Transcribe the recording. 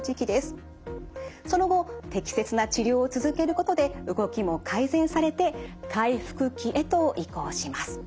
その後適切な治療を続けることで動きも改善されて回復期へと移行します。